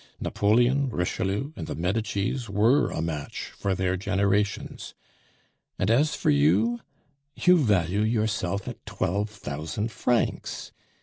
Napoleon, Richelieu, and the Medicis were a match for their generations. And as for you, you value yourself at twelve thousand francs!